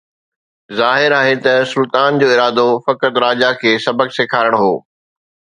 ظاهر آهي ته سلطان جو ارادو فقط راجا کي سبق سيکارڻ هو